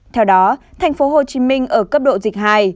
theo đó tp hcm ở cấp độ dịch hai